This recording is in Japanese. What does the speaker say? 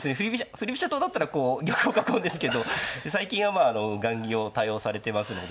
振り飛車党だったらこう玉を囲うんですけど最近はまあ雁木を多用されてますので。